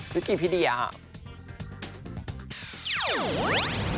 วิกิพีเดียอ่ะ